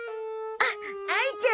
あっあいちゃん